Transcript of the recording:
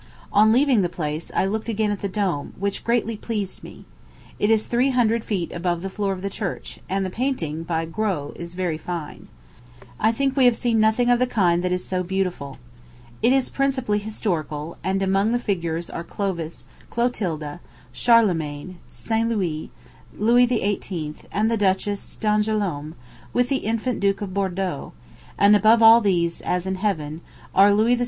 On leaving the place, I looked again at the dome, which greatly pleased me. It is three hundred feet above the floor of the church; and the painting, by Gros, is very fine. I think we have seen nothing of the kind that is so beautiful. It is principally historical; and among the figures are Clovis, Clotilda, Charlemagne, St. Louis, Louis XVIII., and the Duchess d'Angoulême, with the infant Duke of Bourdeaux; and above all these, as in heaven, are Louis XVI.